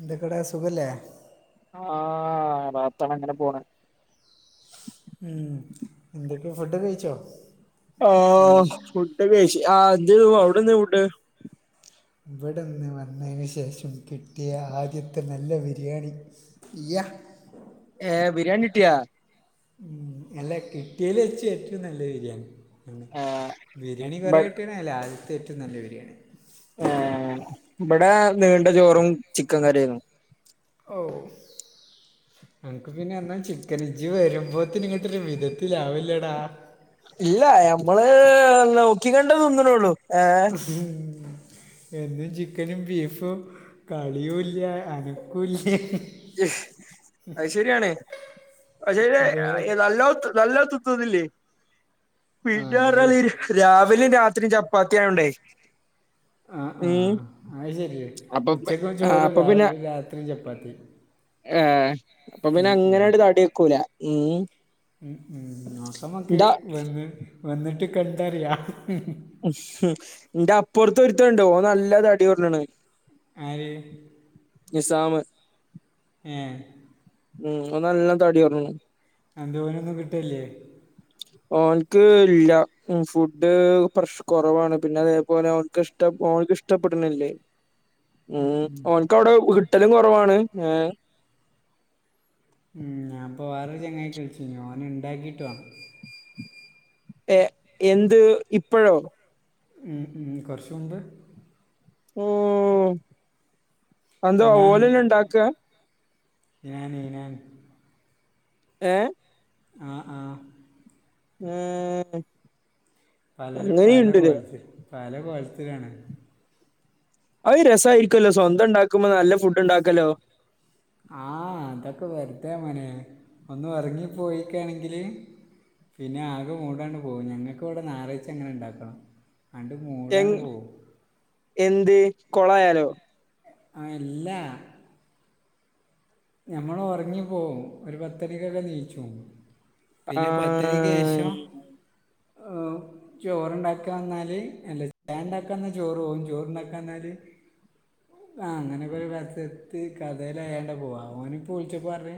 എന്തൊക്കെ അവിടെ സുഖല്ലേ ആ റാഹത്താണ് അങ്ങനെ പോണ് ഉം എന്തൊക്കെ ഫുഡ് കഴിച്ചോ ആ ഇൽ- ഫുഡ് കഴിച്ചു ആ ദു അവിടെന്തേന ഫുഡ് ഇവടെ ഇന്ന് വന്നതിന് ശേഷം കിട്ടിയ ആദ്യത്തെ നല്ല ബിരിയാണി ഇയ്യാഹ് ഏഹ് ബിരിയാണി കിട്ടിയ ഉം അല്ല കിട്ടിയേൽ വെച്ച് ഏറ്റവും നല്ല ബിരിയാണി ഏഹ് ബിരിയാണി ബട് കുറെയായിട്ട് അല്ല ആദ്യത്തെ ഏറ്റവും നല്ല ബിരിയാണി ആഹ ഇവിടെ നീണ്ട ചോറും ചിക്കൻ കറിയായിരുന്നു ഓ അനക്ക് പിന്നെ എന്നാ ചിക്കൻ ഇജ്ജ് വരുമ്പോത്തിന് ഇങ്ങട്ട് ഒരു വിധത്തിൽ ആവൊല്ലേടാ ഇല്ല ഞമ്മള് നോക്കികണ്ടും തിന്ന്ണൊള്ളു [unintelligible] എന്നും ചിക്കനും ബീഫും കളിയും ഇല്ല അനക്കും ഇല്ല ഇസ് അത് ശെരിയാണ്. പക്ഷേണ് ഇത് നല്ലോം ഒത്തു നല്ലോം തിന്നോന്നുല്ലേ ആ അത് വീട്ടുകാർ ശരി [inaudible] രാവിലെയും രാത്രിയും ചപ്പാത്തി ആയോണ്ടേ ആഹ ഉം ആഹ അത് ശരിയാ അപ്പൊ ഉച്ചക്കും ആഹ് ചോറും അപ്പൊ രാവിലിം രാത്രിയും ചപ്പാത്തി ആ അപ്പൊ പിന്നെ ഉം അങ്ങനെ ആട്ട് തടി വെക്കൂല ഉം മ് മ് നോക്ക മ്മക്ക് എന്താ വന്ന് വന്നിട്ട് കണ്ടറിയാ ഇന്റെ അപ്പുറത്ത് ഒരുത്തൻണ്ട് ഓ നല്ല തടി കൊറഞ്ണ് ആര് നിസാമ് ഏഹ് ഉം ഓൻ നല്ലോം തടി കൊറഞ്ഞു അതെന്തേ ഓൻ ഒന്നും കിട്ടേല്ലേ ഓൻക്ക് ഇല്ല ഫുഡ് പ്രശ് കുറവാണ് പിന്നെ അതേപോലെ ഓൻക്ക് ഷ്ട്ടം ഓൻക്ക് ഇഷ്ട്ടപെട്ണിലെ [inaudible] ഉം ഓൻക്ക് അവിടെ ഉരുട്ടാൽലും കുറവാണ് ഏ ഉം ഞാൻ ഇപ്പൊ വേറൊരു ചങ്ങായിക്ക് വിളിച്ചിനി ഓൻ ഉണ്ടാക്കിട്ട് വേണം ഏ എന്ത് ഇപ്പഴോ ഉം ഉം കൊറച്ചുമുമ്പ് ഉം അതെന്താ ഇ‌നാൻ ഓലെന്നെ ഇണ്ടാക്കാ ഇ‌നാൻ ഇ‌നാൻ ഏഹ്. ആഹ് ആഹ് മം പലരും പല കോലത്തില് പല കോലത്തിലാണ്. അത് രസായിരിക്കല്ലോ? സ്വന്തം ഇണ്ടാക്കുമ്പോ നല്ല ഫുഡ് ഇണ്ടാക്കല്ലോ? ആഹ അതൊക്കെ വെറ്തെ മനെ ഒന്നു ഒറങ്ങി പോയിക്കാണെങ്കില് പിന്നെ ആകെ മൂടണ്ട് പോവും. ഞങ്ങൾക്കിവിടെ ഞായറായഴ്ച്ച അങ്ങനെ ഇണ്ടാക്കണം. അങ്ങണ്ട് എങ് മൂടണ്ട് പോവും. എന്ത് കൊളായാലോ? ആ എല്ലാ ഞമ്മള് ഉറങ്ങി പോവും. ഒരു പത്തരീക്കൊക്കെ ഇനീച്ചും പിന്നെ പത്തണിക്ക് ശേഷം ആഹ് ഓം ചോറുണ്ടാക്കാന്നാല് അല്ല ചായണ്ടാക്കാന്നാ ചോറ് പോകും ചോറുണ്ടാക്കാന്നാല് ആ അങ്ങനെക്കെ ഒരു രസത്ത് കഥേൽ അയാണ്ട പോവാ ഓനിപ്പൊളിച്ചപ്പോ പറഞ്ഞ്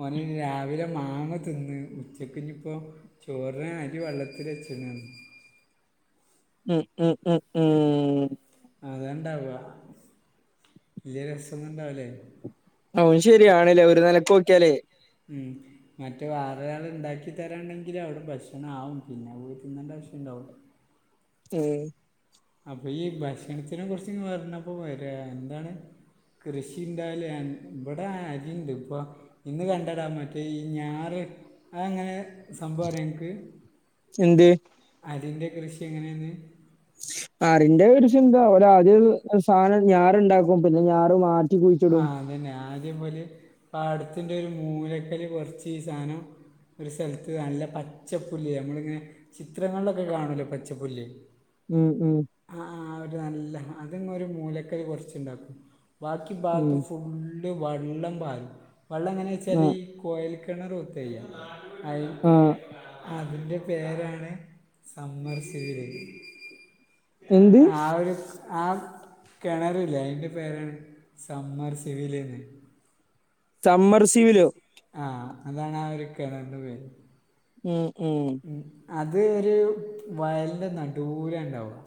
ഓനൊരു രാവിലെ മാങ്ങ തിന്ന് ഉച്ചക്കിനിപ്പോം ചോർന് അരി വെള്ളത്തില് വെച്ചിന് ന്ന് ഉം ഉം ഉം ഉം അതണ്ടാവ വല്യ രസൊന്നും ഇണ്ടാവൂലേ അഉം ശരിയാണ് ലേ ഒരു നിലക്ക് നോക്ക്യാലേ ഉം മറ്റ് വേറൊരാള് ഉണ്ടാക്കി തരാണ്ടെങ്കില് അവിടെ ഭക്ഷണം ആവും പിന്നെ പോയി തിന്നണ്ട ആവശ്യേ ഇണ്ടാവുള്ളു ഉം അപ്പൊ ഈ ഭക്ഷണത്തിന് കുർച്ച് പർഞ്ഞപ്പൊ വരാ എന്താണ്? കൃഷിണ്ടായാലും അൻ ഇവിടെ അരിണ്ട് ഇപ്പോ ഇന്ന് കണ്ടെടാ മറ്റേ ഈ ഞാറ് അത്‌ അങ്ങനെ സംഭവറിയോ ഇൻക്ക് എന്ത് അരിന്റെ കൃഷി എങ്ങനെയെന്ന്? അറിന്റെ ഒരു ചിന്ത ഓര് ആദ്യ സാനം ഞാറുണ്ടാക്കും പിന്നെ ഞാറ് മാറ്റ് ആ അതന്നെ ആദ്യം ഓല് പാടത്തിന്റെ ഒരു മൂലക്കല് കുറച്ച് ഈ സാനം ഒരു സ്ഥലത്ത് നല്ല പച്ചപ്പുല്ല് നമ്മളിങ്ങനെ ചിത്രങ്ങളിലൊക്കെ കാണൂലേ പച്ചപ്പുല്ല് ഉം ഉം ആഹ് ആഹ് അവര് നല്ല അതങ്ങൊരു മൂലക്കല് കൊർച്ചുണ്ടാക്കും. ബാക്കി ഉം ഇഭാഗത്ത് ഫുള്ള് വെള്ളം പാരും. വെള്ളം എങ്ങനെച്ചാല് ആഹ് കൊഴൽ ക് കിണറുത്തായ്യ ഐ ആഹ് അതിൻ്റെ പേരാണ് സമ്മർശിത് എന്ത് ആ ഒരു ആ കിണറില്ലേ അയിന്റെ പേരാണ് സമ്മർ സിവില് ന്ന് ചമ്മർസിവിലോ ആഹ് അതാണ് ആ ഒരു കിണറിൻ്റെ പേര് ഉം ഉം അത് ഒരു വയലിൻ്റെ നടൂലാ ഇണ്ടാവുക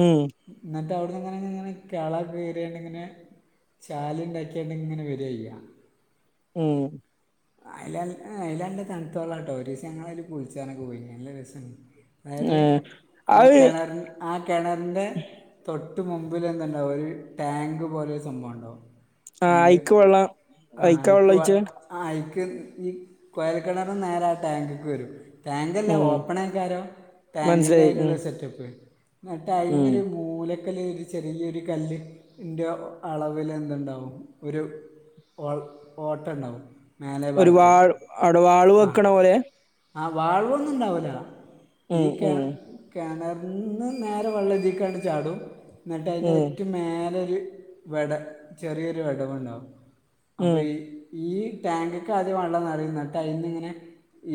ഉം എന്നിട്ട് അവിടുന്നങ്ങന ഇങ്ങനെ കെള കീറിയോണ്ടങ്ങനെ ചാല്ണ്ടാക്കിയാണ്ടങ്ങനെ വരുയ്യ ഉം അയിലൽ അയിലല്ല തണുത്തോള്ളാ ട്ടോ ഒരീസം ഞങ്ങള് അതിൽ കുളിച്ചനൊക്കെ പോയി. നല്ല രസോണ്ട് അതായത് ഏഹ് ആ അത് കിണർന് ആ കിണറിന്റെ തൊട്ട് മുമ്പില് എന്ത്ണ്ടാവും ഒരു ടാങ്ക് പോലെഒരു സംഭവം ഉണ്ടാവും ആഹ് നമ്മള് അയിക്ക് വെള്ളം ആ അയിക്കാ വെള്ളം അയ്ക്കുവാ ഒഴിച്ചേ ആഹ് അഴിക്ക് ഈ കൊയൽക്കിണറ്ന്ന് നേരെ ആ ടാങ്കക്ക് വരും ടേങ്കല്ല ഉം ഓപ്പണേകാരം ടേങ്കിൻ്റെ മനസ്സിലായി ആ ഒരുള്ള ഉം സെറ്റപ്പ്. എന്നട്ടായ് ഉം മൂലക്കല് ഒരു ചെറിയൊരു കല്ല് ൻ്റോ അളവില് എന്തുണ്ടാവും ഒരു ഫോൾ ഓട്ടണ്ടാവും ഒരു വാൾ അടുവാളു വെക്കണ പോലെ ആ വാൾവൊന്നുംണ്ടാവൂല്ല ഈ ഉം കെ ഉം കെണർന്ന് നേരെ വെള്ളതീക്ക ണ്ട് ചാടും എന്നിട്ട് അയിന്റെ ഉം ഒറ്റു മേലെരു വെട ചെറിയൊരു വെടവുണ്ടാവും അപ്പൊ ഉം ഈ ഈ ടാങ്ക്കാദ്യം വള്ളംനറയും എന്നട്ട് അയിന്ന്ങ്ങനെ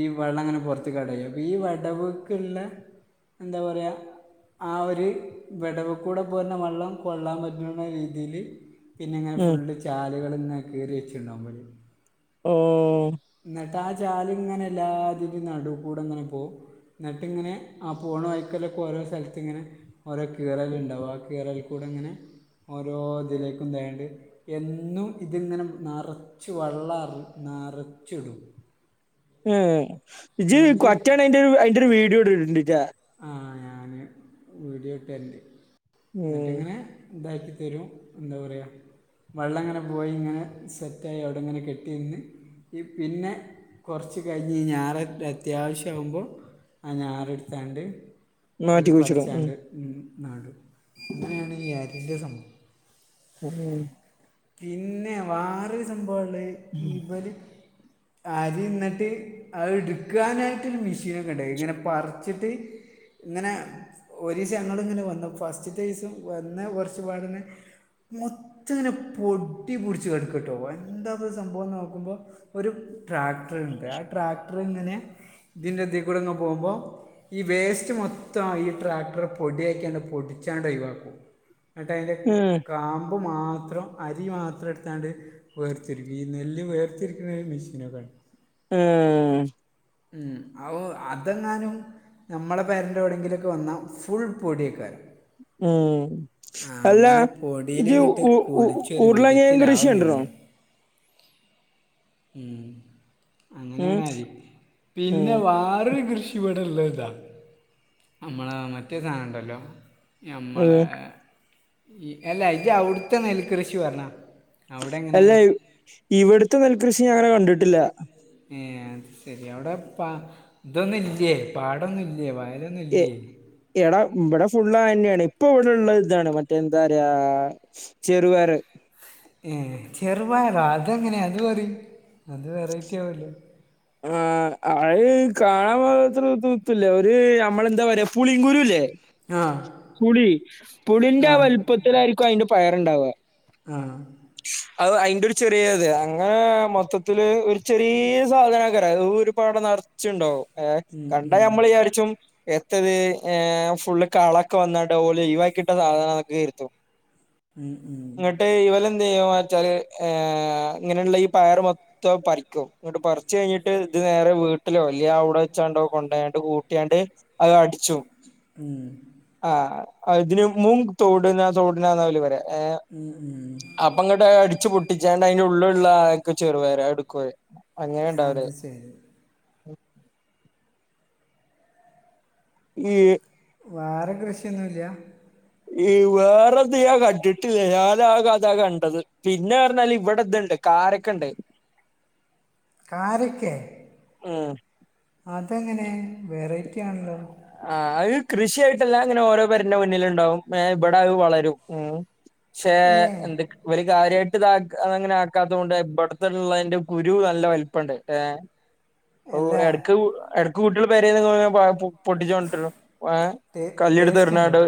ഈ വള്ളംങ്ങനെ പുറത്ത് കടയും അപ്പൊ ഈ വടവ്ക്ക്ള്ള എന്താപറയാ ആ ഒര് വെടവുകൂടെ പോര്ണവള്ളം കൊള്ളാൻ പറ്റുന്ന രീതിയിൽ പിന്നെ ഇങ്ങനെ ഉം ഫുള്ള് [unintelligible] ചാലുകൾ ങ്ങനെകീറി വെച്ചിട്ടുണ്ടവും ഓ ന്നട്ട് ആ ചാല്ങ്ങനെ എല്ലാത്തിൻ്റിം നടൂകൂടെങ്ങനെ പോം ന്നട്ട്ങ്ങനെ ആ പോണ വയിക്കലൊക്കെ ഓരോ സ്ഥലത്ത് ങ്ങനെ ഓരോ കീറല്ണ്ടാവും ആ കീറൽ കൂടെങ്ങനെ ഓരോ തിലേക്കും തേണ്ടി എന്നും ഇത്ങ്ങനെ നറച്ച് വള്ളാണ് നറച്ചിടും ആഹ് ജ്ജ് എന്നിട്ട് കൊറ്റാണയിന്റെ അയിൻ്റെരു വീഡിയോ ഇടോണ്ടിട്ടൊ ആ ഞാന് വീഡിയോ ഇട്ടരൻ്റ് ഉം ന്നട്ടിങ്ങനെ ഇതാക്കി തെരും എന്താപറയ വള്ളംങ്ങനെ പോയി ങ്ങനെ സെറ്റായി അവിടെങ്ങനെ കെട്ടി നിന്ന് ഇ പിന്നെ കൊറച്ച് കഴിഞ്ഞ് ഞാറ് അത്യാവിശ്യാകുമ്പോൾ ആഹ് ഞാറ്ട്ത്താണ്ട് മാറ്റി ഓല് കുഴിച്ചിടും പ്പറിച്ചാണ്ട് ഉം നാടും അങ്ങനെയാണ് ഈ അരിൻ്റെ സമ്പവം ഉം ഉം പിന്നെ വാറൊരു സംഭവണ്ട് ഉം ഇവല് അരിന്നട്ട് ഔട്ക്കാനായിട്ടൊരു മിഷീനൊക്കെണ്ട് ഇങ്ങനെ പറിച്ചിട്ട് ഇങ്ങനെ ഒരീസഞങ്ങൾങ്ങനെ വന്നപ്പോഫസ്റ്റ്ത്തീസം വന്ന് കുറച്ച്പാടെന്നെ മൊത്തങ്ങനെ പൊടി പൊടിച്ച് കടുക്കാട്ടോ എന്താപത് സംഭവം നോക്കുമ്പോ ഒരു ട്രാക്ടർണ്ട് ആ ട്രാക്ടർങ്ങനെ ഇതിന്റെ ഇതീകൂടെ ഇങ്ങപോകുമ്പോ ഈ വേസ്റ്റ് മൊത്തംഅയി ഈ ട്രാക്ടറ്പൊടിയാക്കൃണ്ട് പൊടിച്ചാണ്ട് ഒഴിവാക്കും ന്നട്ട് അയിൻ്റെ ഉം കാമ്പ് മാത്രം അരി മാത്രംട്ത്താണ്ട് വേർത്തിരിക്കും ഈ നെല്ല് വേർത്തിരിക്ക്ണ മിഷീനൊക്കെൺ ഉം ഉം ഉം ഔ അതങ്ങാനും നമ്മളെ പെരൻ്റെവിടെയങ്കിലൊക്കെ വന്നാൽ ഫുൾ പൊടിയേക്കാരം. ഉം അല്ല അങ്ങനെ ഇജ്ജ് പൊടിയിലിങ്ങട്ട് ഉ ഉ കുളിച്ചൊരു ഉരുളകിഴങ്ങ് കൃഷി വിധത്തിലാവും കണ്ട്ണോ ഞമ്മള് ഉം ഉം അങ്ങനെയണരി പിന്നെ ഉം വാറൊരു കൃഷി ഇവിടെ ഇളളത് ഇതാ നമ്മളേ മറ്റേ സാനണ്ടല്ലോ ഞമ്മളേ ഉം ഇ എല്ല ഇജ് അവിട്ത്തെ നെൽ കൃഷി പറഞ്ഞ അവിടെ അല്ല എങ്ങനെയാണ് ഇവിടുത്തെ നെൽകൃഷി ഞാനങ്ങനെ കണ്ടിട്ടില്ല ഏ അത് ശെരി അവിടെ പ ഇതൊന്നും ഇല്ലേ പാടൊന്നുംല്ലേ വയലൊന്നും എ ഇല്ലേ എടാ ഇവിടെ ഫുള്ള് അയന്നെണ് ഇപ്പോവിടെള്ള താണ് മറ്റേ എന്താറയാ ചെറുവയർ ഏ ചെറുപയറോ അതെങ്ങനേ അത് പറിം അത് വെറൈറ്റി ആവല്ലോ ആ അ ഔ കാണാൻ [unintelligible] പോത്ര ത്തുല്ലാ ഒര് നമ്മളെന്താപറയാ പുളിങ്കുരുല്ലേ ആ പുളി പുളിന്റെ ആ വലുപ്പത്തിലായിരിക്കും അയിന്റെ പയറ്ണ്ടാവ ആഹ് അത് അയിന്റെ ഒരു ചെറിയത് അങ്ങനെ മൊത്തത്തിൽ ഒരു ചെറിയ സാധനം ഒരുപാട് നറച്ചുണ്ടാവും ഉം, കണ്ട നമ്മൾ വിചാരിച്ചും എത്തത് ഫുള്ള് കളൊക്കെ വന്നാട് ഓല് ഒഴിവാക്കി ഇട്ട സാധന ഓക്കേ കരുതും ! ! ! [unintelligible] [inaudible] ഇങ്ങട്ട് ഇവലന്ന് എത്താച്ചല് ഇങ്ങനെയുള്ള ഈ പയർ മൊത്തം പറിക്കുംഇങ്ങട്ട് പറിച്ചു കഴിഞ്ഞിട്ട് ഇത് നേരെ വീട്ടിലോ അല്ല അവിടെ വെച്ചാണ്ടോ കൊയണ്ട് കൂട്ടിയാണ്ട് അത് അടിച്ചും ആഹ് ഇതിന് മുങ് തോട്ന്ന തോട്നന്ന ഓല് പറ്യ [unintelligible] ഏ ഉം ഉം അപ്പ അങ്ങട്ട് അടിച്ച് പൊട്ടിച്ചാണ്ട് അതിന്റെ ഉള്ള് ഇള്ള ആക്കെ ചെറുപയർ അത്. എടുക്കും അഹ് അങ്ങനെ ഇണ്ടാവല് അത് അഹ്. ശരി ! ! ഈ വാ റെ കൃഷിയൊന്നുല്ല ഈ വേറെ ഇത് യാ കണ്ടിട്ടില്ല. ഞാൻ ആ കസാലെ കണ്ടത്. പിന്നെ അറ്ഞ്ഞാല് ഇവടെ ഇത്ണ്ട്. കാരക്കെണ്ട് ! ! കാരക്കെ ഉം അതെങ്ങനെ വെറൈറ്റി ആണല്ലോ ആ അത് കൃഷിയായിട്ടെല്ലാ ഇങ്ങനെ ഓരോ പെരന്റെ മുന്നില് ഇണ്ടാവും. ഇ ബെടെ അത് വളരും ഉം ശേ ഏ എന്തക് ഇവര് കാര്യായിട്ട് ഇതാക് അ അങ്ങനെ ആക്കാത്തോണ്ട് ഇബെട്ത്ത്ള്ളേന്റെ കുരു നല്ല വലിപ്പണ്ട് ഏഹ്. ! ! ഒ എട്ക്ക് എട്ക്ക് കുട്ട്യേള് പേരേന്ന് പായ്പു. പൊട്ടിച്ചോണ്ട്രും ഏഹ് കല്ലിട്ത്ത് ടേസ്റ്റ് ഉണ്ടോ എറിഞ്ഞാട്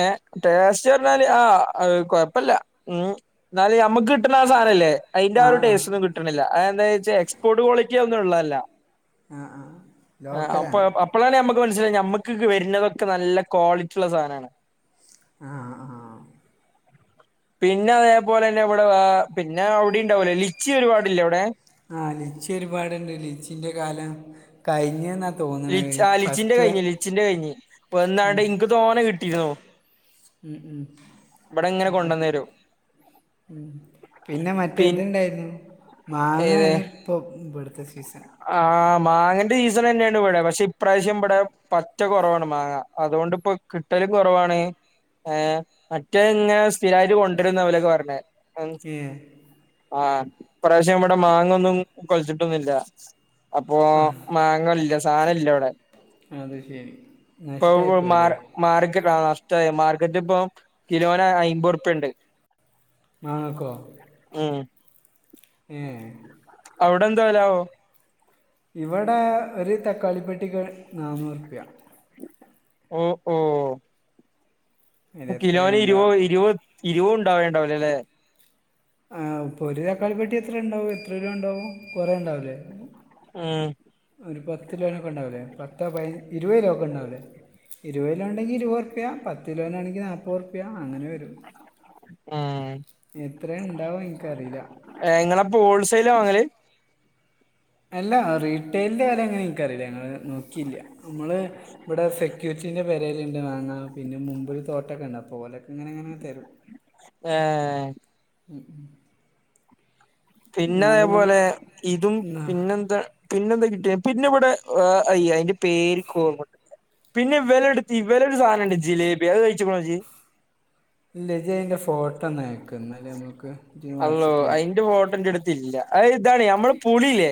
ഏ ടേസ്റ്റ് പറ്ഞ്ഞാല് ആ കൊഴപ്പല്ല ഉം ഇന്നാലു നമ്മക്ക് കിട്ട്ണ ആ സാനംല്ലേ അതിന്റെ ആ ഒരു ആ ടേസ് ഒന്നും കിട്ട്ണില്ല. എന്താച്ച എക്സ്പോർട്ട് കോളിറ്റി ഒന്നും ഉള്ള അല്ല. ആ ആ ആഹ് അപ്പൊ ലോക്കലാണ് ഇപ്പളാണ് നമക്ക് മനസ്സിലായത്. ഞമക്ക് ക്ക് വരുന്നതക്കെ നല്ല ക്വാളിറ്റിയുള്ള സാനാ ണ് ആഹ് ആഹ് പിന്നെ അതേപോലെന്നെ ഇവടെ വാ പിന്നെ അവിടെ ഉണ്ടാവൂലേ. ലിച്ചി ഒരുപാടില്ലേ ഔടെ? ആ ലിച്ചി ഒരുപാട്ണ്ട്. ലിച്ചിന്റെ കാലം കഴിഞ്ഞ് ലി ആ ലിച്ചിന്റെ കഴിഞ് ലിച്ചിന്റെ കഴിഞ്ഞ്. വന്നാണ്ട് ഇൻക്ക് തോന കിട്ടിക്ക്ണു ഇബ്ടെ ഇങ്ങനെ കൊണ്ടന്ന് തരും ഉം പിന്നെ മറ്റെ പിൻ ഇതുണ്ടായിരുന്നു. മാങ്ങേണ് ഇപ്പോ ഇബട്ത്തെ സീസൺ ആഹ് മാങ്ങന്റെ ഈസൺ തന്നെയാണ് ഇവടെ. പക്ഷെ ഇപ്രാവശ്യം ഇബ്ടെ പ. പറ്റ കൊറവാണ് മാങ്ങ അതുകൊണ്ട് ഇപ്പൊ കിട്ടലും കൊറവാണ് ഏഹ് മറ്റേ ഇങ്ങനെ സ്ഥിരായിട്ട് കൊണ്ടരുംന്ന് ഇവലൊക്കെ പറഞ്ഞെ ഏ ആഹ് ഇപ്രാവശ്യം ഇവടെ മാങ്ങൊന്നും കൊലച്ചിട്ടൊന്നുല്ല. അപ്പൊ മാങ്ങ ഇല്ല സാനം ഇല്ല ഇവടെ. അത് ശരി നഷ്ട കയിപ്പോയില്ലേ മാർക്കറ്റ് ആ നഷ്ട്ടായി. മാർക്കറ്റ് ഇപ്പം കിലോൻ അയ്മ്പറ്പ്യണ്ട് മാങ്ങക്കൊ ഉം [inaudible] അവിടെന്തോ വലാവോ ഇവിടെ ഒരു തക്കാളിപ്പെട്ടിക്ക് നാന്നൂറു പ്പിയാ ഓ ഹോ ഇത് എത്ര കിലോന് ഇരുപ ഉണ്ടാവും ഇരുപത് ഇരുപത് ഉണ്ടാവേണ്ടാവരും ല്ലേ ആ ഇപ്പൊ ഒരു തക്കാളി പെട്ടി എത്ര ഇണ്ടാവും എത്ര കിലോ ഉണ്ടാവും കൊറേ ഉണ്ടാവും ലേ ആഹ് ഒരു പത്ത് രൂപഒക്കെ ഉണ്ടാവില്ലേ പത്തോ പ ഇരുപത് രൂപ ഒക്കെ ഉണ്ടാവില്ലേ ഇരുപതിലോ ഉണ്ടെങ്കിൽ ഇരുപത് റുപ്യ പത്തിലോനാണെങ്കിൽ നാൽപ്പത് റുപ്യ അങ്ങനെ വരും ആഹ് എത്ര ഇണ്ടാവും എനിക്കറിയില്ല നിങ്ങളപ്പോ ഹോൾസെയിലാ വാങ്ങല് അല്ല റീട്ടെയിലിന്റെ കാര്യം അങ്ങനെ എനിക്കറിയില്ല ഞങ്ങള് നോക്കിയില്ല നമ്മള് ഇവിടെ സെക്യൂരിറ്റീൻ്റെ പെരേലുണ്ട് വാങ്ങാ പിന്നെ മൂപ്പര് തോട്ടൊക്കെ ഉണ്ട് അപ്പൊ ഓലൊക്കെ ഇങ്ങനെ അങ്ങനെ തരും ആഹ് ഉം ഉം പിന്നെ അതേപോലെ ഇതും എന്നാ പിന്നെന്താ പിന്നെന്താ കിട്ടിയെ പിന്നിവിടെ അയ്യ അയിന്റെ പേര് ഇനിക്ക് ഓർമ പിന്നെ ഇവരെടുത്തി ഇവരെ ഒരു സാധനുണ്ട് ജിലേബി അത് കഴിച്ചെക്കുന്നൊജ്ജ് ഇല്ലജ്ജ് അതിൻ്റെ ഫോട്ടോന്നയക്ക് എന്നാലേ നമുക്ക് ഒന്ന് വാട്സപ്പിലയക്ക് [unintelligible] ല്ല അയിതാണ് നമ്മള് പുളില്ലേ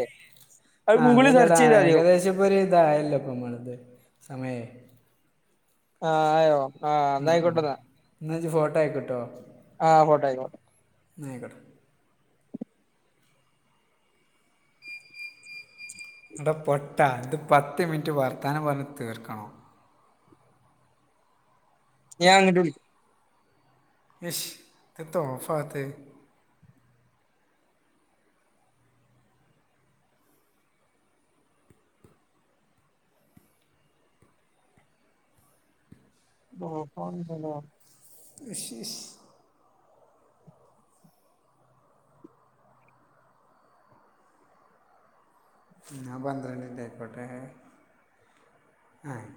അത് ആഹ് ഗൂഗിളിൽ അതല്ലെടാ സെർച്ച് ചെയ്താ മതിയാവും ഏകദേശക്കൊരു ഇതായല്ലോ ഇപ്പ മ്മടത്ത് സമയേ ആഹ് ആയോ ആഹ് ആ അന്നാ ആ ആയിക്കോട്ടന്ന എന്നാ ഇജ്ജ് ഫോട്ടോ അയക്ക് ട്ടോ ആഹ് ഫോട്ടോ അയക്കാം ആയിക്കോട്ടെ [unintelligible] ഇത് പത്ത് മിനിറ്റ് വർത്താനം പറഞ്ഞ് തീർക്കണം ഞൻ അങ്ങട്ട് വിളി എന്താ ഓഫ് ആകാത്തെ ഓഫാകുന്നില്ലല്ലോ [unintelligible] ഞാൻ പന്ത്രണ്ടിന്റെ ആയിക്കോട്ടെ ആഹ്